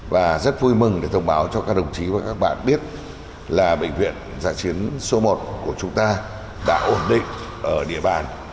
và rất vui mừng để thông báo cho các đồng chí và các bạn biết là bệnh viện giã chiến số một của chúng ta đã ổn định ở địa bàn